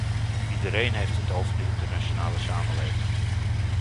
Iedereen heeft het over de internationale samenleving.